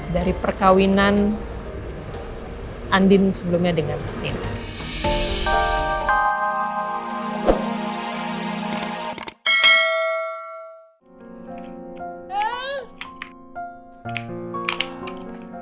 dari perkawinan andin sebelumnya dengan tina